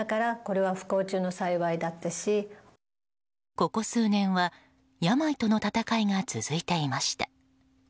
ここ数年は病との闘いが続いていました。